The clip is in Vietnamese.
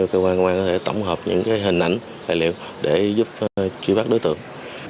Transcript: cơ quan công an có thể tổng hợp những hình ảnh tài liệu để giúp truy bắt đối tượng